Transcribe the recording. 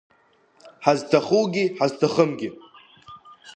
Ҳазҭахугьы, ҳазҭахымгьы…